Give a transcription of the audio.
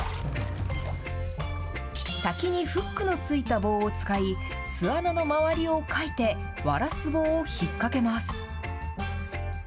先にフックの付いた棒を使い、巣穴の周りをかいて、ワラスボを引っ掛けます。